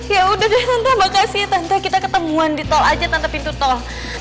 ya udah deh tante makasih tante kita ketemuan di tol aja tanpa pintu tol